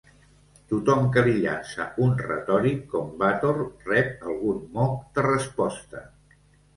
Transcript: Tothom que li llança un retòric com-vatot rep algun moc de resposta.